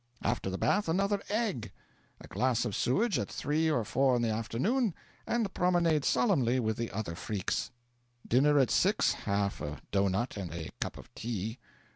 After the bath another egg. A glass of sewage at three or four in the afternoon, and promenade solemnly with the other freaks. Dinner at 6 half a doughnut and a cup of tea.